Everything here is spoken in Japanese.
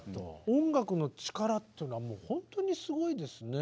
音楽の力っていうのは本当にすごいですね。